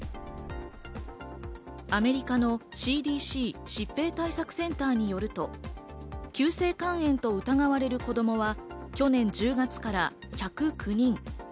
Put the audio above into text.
アメリカのＣＤＣ＝疾病対策センターによると、急性肝炎と疑われる子供は去年１０月から１０９人。